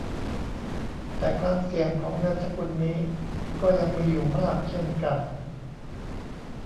แต่ความเสี่ยงของเงินสกุลนี้ก็ยังมีอยู่มากเช่นกัน